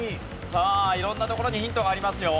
さあ色んなところにヒントがありますよ。